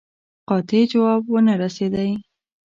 قاطع جواب ونه رسېدی.